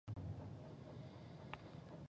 او د ژوند په ښه کولو کې